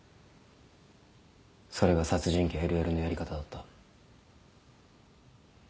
それが殺人鬼・ＬＬのやり方だった。